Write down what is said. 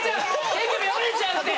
手首折れちゃうって！